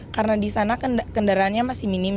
karena di sana kendaraannya masih minim